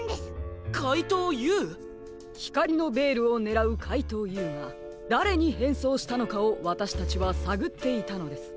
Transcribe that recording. ひかりのベールをねらうかいとうＵがだれにへんそうしたのかをわたしたちはさぐっていたのです。